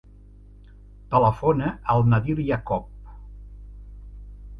Telefona al Nadir Iacob.